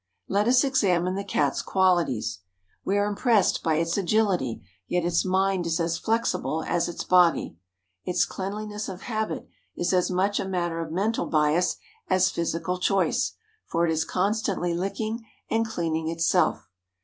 "Let us examine the Cat's qualities. We are impressed by its agility, yet its mind is as flexible as its body. Its cleanliness of habit is as much a matter of mental bias as physical choice, for it is constantly licking and cleaning itself.